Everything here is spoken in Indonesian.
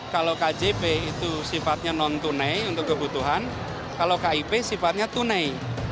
kalau kjp itu sifatnya non tunai untuk kebutuhan kalau kip sifatnya tunai